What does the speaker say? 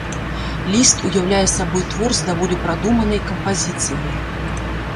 Ліст ўяўляе сабой твор з даволі прадуманай кампазіцыяй.